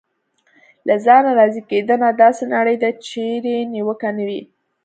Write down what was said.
له ځانه راضي کېدنه: داسې نړۍ ده چېرې نیوکه نه وي.